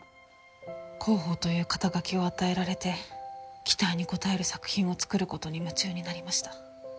広報という肩書を与えられて期待に応える作品を作る事に夢中になりました。